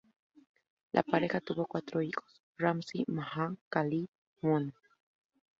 La pareja tuvo cuatro hijos: Ramzi, Maha, Khalil, y Mona.